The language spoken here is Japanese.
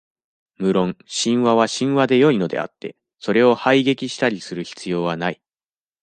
無論、神話は神話でよいのであって、それを排撃したりする必要はない。